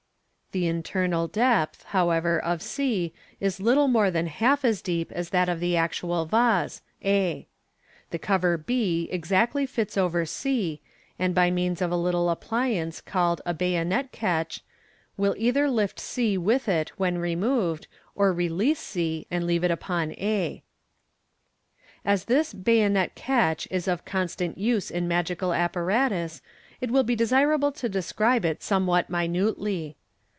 The internal depth, however, of c is little more than half as deep as that of the actual vase, a. The cover b exactly fits over c, and by means of a Little appliance Fig. 183. $r MODERN MAGIC, Fig. 184. called a " bayonet catch/' will either lift c with it when removed, or release c and leave it upon a. As this " bayonet catch " is of constant use in magical apparatus, it will be desirable to describe it somewhat minutely.